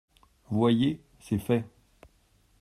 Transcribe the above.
Voyez, c'est fait.